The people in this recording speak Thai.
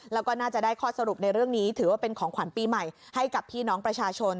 แล้วก็น่าจะได้ข้อสรุปในเรื่องนี้ถือว่าเป็นของขวัญปีใหม่ให้กับพี่น้องประชาชน